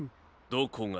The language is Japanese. どこが。